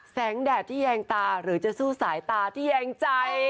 แดดที่แยงตาหรือจะสู้สายตาที่แยงใจ